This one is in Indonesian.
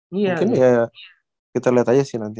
mungkin ya kita lihat aja sih nanti